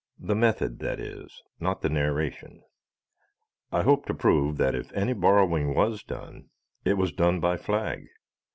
The method, that is, not the narration. I hope to prove that if any borrowing was done, it was done by Flagg.